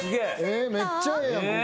めっちゃええやん。